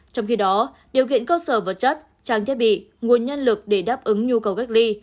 trong khi đó điều kiện cơ sở vật chất trang thiết bị nguồn nhân lực để đáp ứng nhu cầu cách ly